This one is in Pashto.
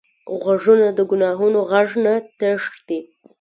غوږونه د ګناهونو غږ نه تښتي